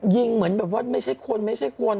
เหมือนแบบว่าไม่ใช่คนไม่ใช่คน